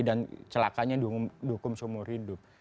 dan celakanya dukung seumur hidup